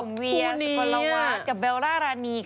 น้องเวียสุโป๋ลาวาสและเบลล่าราณี